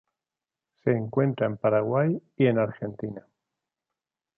Se encuentra en Paraguay y en Argentina.